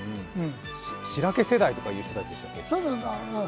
しらけ世代とかいう人たちでしたっけ？